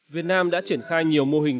việt nam đã triển khai nhiều mô hình